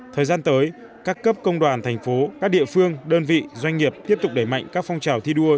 thời gian tới các cấp công đoàn thành phố các địa phương đơn vị doanh nghiệp tiếp tục đẩy mạnh các phong trào thi đua